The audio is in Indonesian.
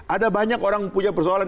ada banyak orang punya persoalan